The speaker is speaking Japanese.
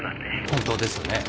本当ですよね。